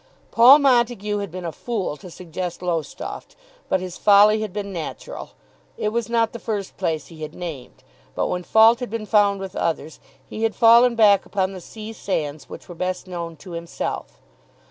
Paul Montague had been a fool to suggest Lowestoft, but his folly had been natural. It was not the first place he had named; but when fault had been found with others, he had fallen back upon the sea sands which were best known to himself.